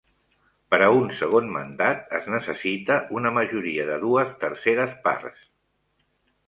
Per a un segon mandat, es necessita una majoria de dues terceres parts.